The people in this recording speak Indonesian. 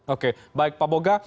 oke baik pak boga